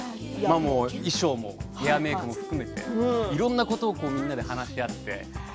衣装もヘアメークも含めていろんなことをみんなで話し合って。